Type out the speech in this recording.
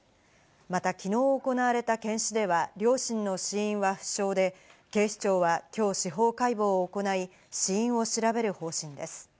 また昨日行われた検視では、両親の死因は不詳で警視庁はきょう司法解剖を行い、死因を調べる方針です。